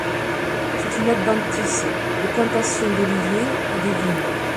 C'est une adventice des plantations d'oliviers ou des vignes.